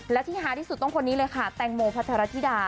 และที่ฮาที่สุดต้องคนนี้เลยค่ะแตงโมพัทรธิดา